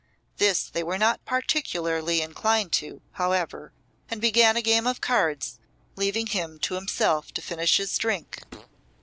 This they were not particularly inclined to, however, and began a game of cards, leaving him to himself to finish his drink.